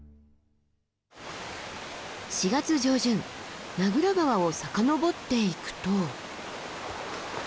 ４月上旬名蔵川を遡っていくと。